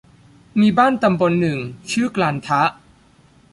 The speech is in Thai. มีบ้านตำบลหนึ่ง ชื่อกลันทะ